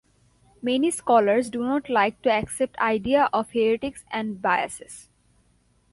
Many scholars do not like to accept idea of heuristics and biases.